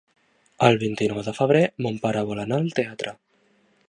El vint-i-nou de febrer mon pare vol anar al teatre.